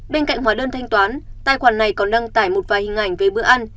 bên cạnh hóa đơn thanh toán tài khoản này còn đăng tải một vài hình ảnh về bữa ăn